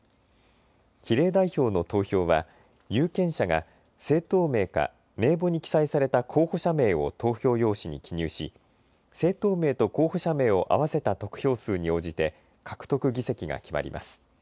比例代表の投票は有権者が政党名か名簿に記載された候補者名を投票用紙に記入し政党名と候補者名を合わせた得票数に応じて獲得議席が決まります。